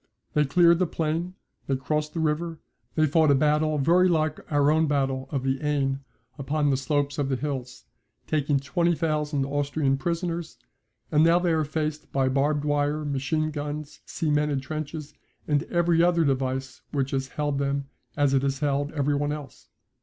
They cleared the plain, they crossed the river, they fought a battle very like our own battle of the Aisne upon the slopes of the hills, taking 20,000 Austrian prisoners, and now they are faced by barbed wire, machine guns, cemented trenches, and every other device which has held them as it has held every one else.